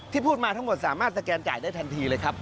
พูดมาทั้งหมดสามารถสแกนจ่ายได้ทันทีเลยครับ